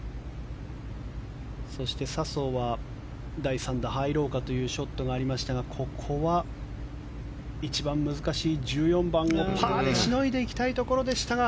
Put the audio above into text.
そして笹生は第３打、入ろうかというショットがありましたがここは一番難しい１４番をパーでしのいでいきたいところでしたが。